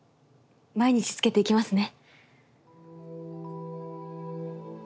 毎日つけていきますね。